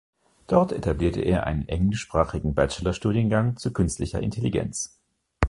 Dort etablierte er einen englischsprachigen Bachelorstudiengang zu künstlicher Intelligenz.